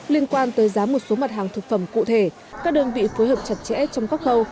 liên quan tới giá một số mặt hàng thực phẩm cụ thể các đơn vị phối hợp chặt chẽ trong các khâu